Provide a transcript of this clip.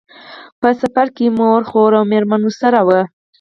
په سفر کې یې مور، خور او مېرمنه ورسره وو.